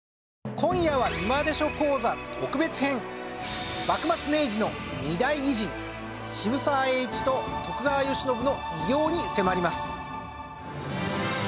今夜は幕末・明治の２大偉人渋沢栄一と徳川慶喜の偉業に迫ります。